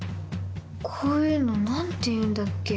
こういうの何て言うんだっけ？